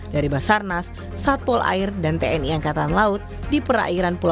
dari basarnas satpol air dan tni angkatan laut di perairan pulau